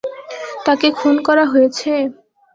তাকে খুন করা হয়েছে?